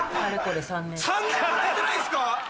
３年もらえてないんすか！